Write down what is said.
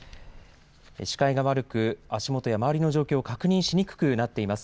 視界が悪く足元や周りの状況を確認しにくくなっています。